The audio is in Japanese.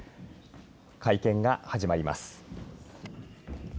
会見が始まります。